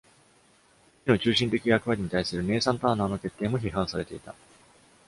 医師の中心的役割に対するネイサン・ターナーの決定も批判されていた。